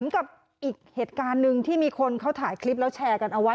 กับอีกเหตุการณ์หนึ่งที่มีคนเขาถ่ายคลิปแล้วแชร์กันเอาไว้